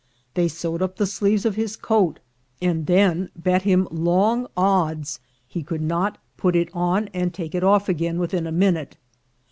They sewed up the sleeves of his coat, and then bet him long 52 THE GOLD HUNTERS odds he could not put it on, and take it off again, within a minute.